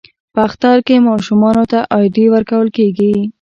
په اختر کې ماشومانو ته ایډي ورکول کیږي.